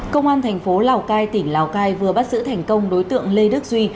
công an thành phố lào cai tỉnh lào cai vừa bắt giữ thành công đối tượng lê đức duy